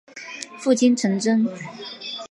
父亲陈贞。